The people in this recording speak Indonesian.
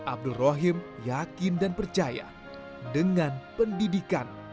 abdul rohim yakin dan percaya dengan pendidikan